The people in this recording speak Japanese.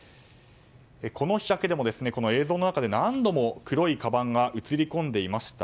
この日だけでも、この映像の中で何度も、黒いかばんが映り込んでいました。